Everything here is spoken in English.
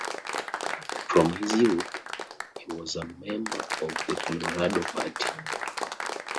From his youth, he was a member of the Colorado Party.